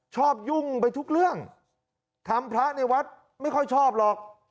ยุ่งไปทุกเรื่องทำพระในวัดไม่ค่อยชอบหรอก